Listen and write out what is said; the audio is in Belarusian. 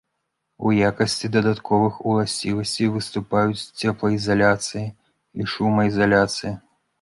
У якасці дадатковых уласцівасцей выступаюць цеплаізаляцыя і шумаізаляцыя.